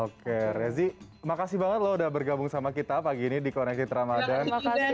oke rezi makasih banget loh udah bergabung sama kita pagi ini di connected ramadan